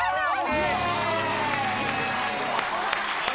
イエイ。